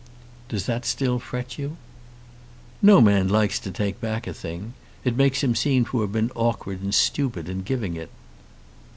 "Does that still fret you?" "No man likes to take back a thing. It makes him seem to have been awkward and stupid in giving it."